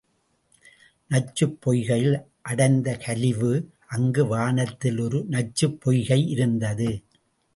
நச்சுப் பொய்கையில் அடைந்த கலிவு அங்கு வனத்தில் ஒரு நச்சுப் பொய்கை இருந்தது.